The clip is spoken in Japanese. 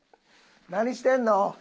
何してんの？